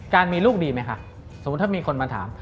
การมีลูกดีไหมคะสมมุติถ้ามีคนมาถาม